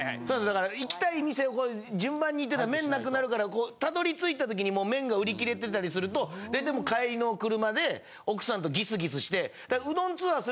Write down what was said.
だから行きたい店を順番に行ってたら麺なくなるからこう辿り着いたときにもう麺が売り切れてたりすると大体もう帰りの車で奥さんとギスギスしてだから。